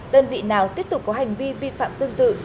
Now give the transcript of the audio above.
đơn vị nào tiếp tục có hành vi vi phạm tương tự